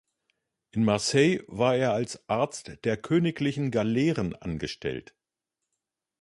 In Marseille war er als Arzt der königlichen Galeeren angestellt.